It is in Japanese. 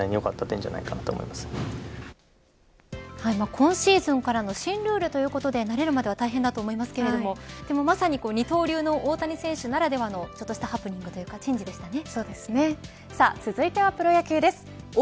今シーズンからの新ルールということで慣れるまでは大変だと思いますけれどまさに二刀流の大谷選手ならではのちょっとしたハプニングというかチェンジでしたね。